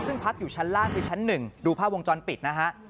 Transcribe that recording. ซึ่งพักอยู่ชั้นล่างคือชั้น๑ดูภาพวงจรปิดนะฮะ